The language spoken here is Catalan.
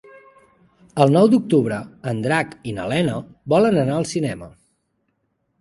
El nou d'octubre en Drac i na Lena volen anar al cinema.